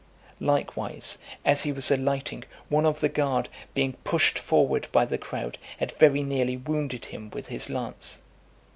Likewise, as he was alighting, one of the guard, being pushed forward by the crowd, had very nearly wounded him with his lance.